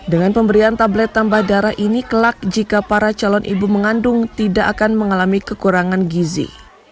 dengan pemberian tablet tambah darah ini kelak jika para calon ibu mengandung tidak akan mengalami kekurangan gizi